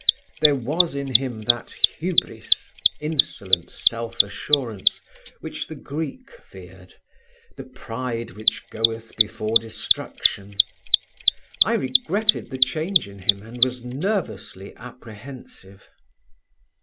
There was in him that [Greek: hubris] (insolent self assurance) which the Greek feared, the pride which goeth before destruction. I regretted the change in him and was nervously apprehensive.